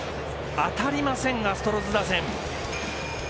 当たりませんアストロズ打線。